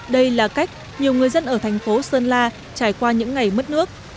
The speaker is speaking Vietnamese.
đây là cách nhiều người dân ở thành phố sơn la trải qua những ngày mất nước